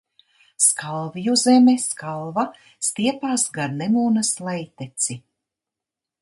Skalvju zeme Skalva stiepās gar Nemūnas lejteci.